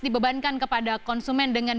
dibebankan kepada konsumen dengan